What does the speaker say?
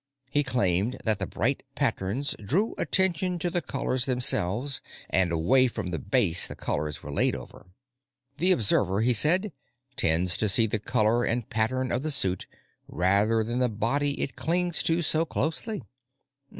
He claimed that the bright patterns drew attention to the colors themselves, and away from the base the colors were laid over. The observer, he said, tends to see the color and pattern of the suit, rather than the body it clings to so closely.